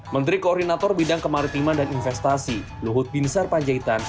menteri koordinator bidang kemaritiman dan investasi luhut binsar panjaitan